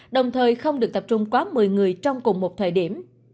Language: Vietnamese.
đồng thời không được tập trung quá một mươi người trong cùng một thời điểm